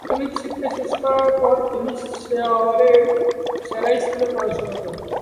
প্রাথমিক শিক্ষা শেষ করার পর, তিনি শহরের সেরা স্কুলে পড়াশোনা করেন।